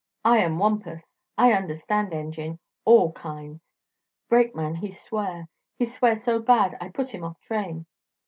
I am Wampus. I understan' engine all kinds. Brakeman he swear; he swear so bad I put him off train.